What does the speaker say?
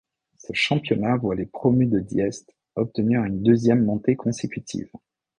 Ce championnat voit les promus de Diest obtenir une deuxième montée consécutivte.